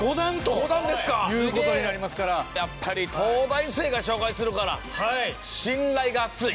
やっぱり東大生が紹介するから信頼が厚い。